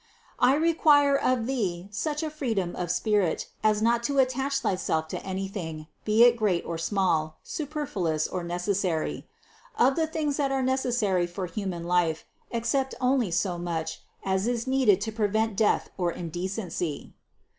457. I require of thee such a freedom of spirit, as not to attach thyself to anything, be it great or small, super THE CONCEPTION 357 fluous or necessary. Of the things that are necessary for human life, accept only so much, as is needed to prevent death or indecency.